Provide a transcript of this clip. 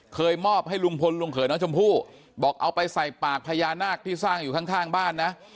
มอบให้ลุงพลลุงเขยน้องชมพู่บอกเอาไปใส่ปากพญานาคที่สร้างอยู่ข้างบ้านนะ